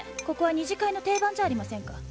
ここは二次会の定番じゃありませんか。